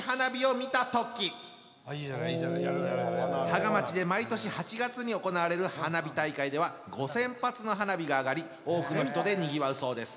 芳賀町で毎年８月に行われる花火大会では５，０００発の花火があがり多くの人でにぎわうそうです。